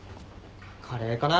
カレーかな。